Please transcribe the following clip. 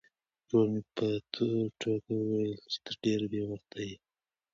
ورور مې په ټوکه وویل چې ته ډېر بې وخته یې.